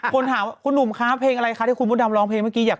คนถามว่าคุณหนุ่มคะเพลงอะไรคะที่คุณมดดำร้องเพลงเมื่อกี้อยาก